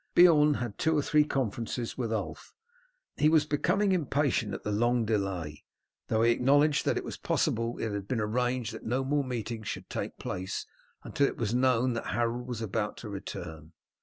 Beorn had two or three conferences with Ulf. He was becoming impatient at the long delay, though he acknowledged that it was possible it had been arranged that no more meetings should take place until it was known that Harold was about to return.